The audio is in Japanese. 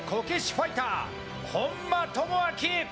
ファイター本間朋晃。